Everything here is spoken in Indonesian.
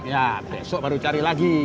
ya besok baru cari lagi